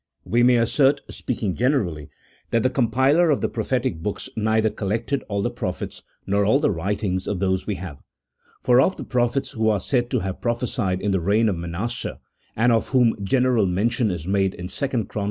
We may assert, speaking generally, that the compiler of the prophetic hooks neither collected all the prophets, nor all the writings of those we have ; for of the prophets who are said to have prophesied in the reign of Manasseh and of whom general mention is made in 2 Chron.